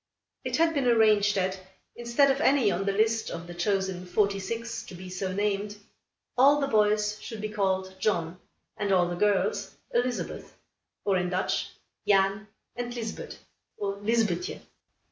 It had been arranged that, instead of any on the list of the chosen forty six, to be so named, all the boys should be called John, and all the girls Elizabeth; or, in Dutch, Jan and Lisbet, or Lizbethje.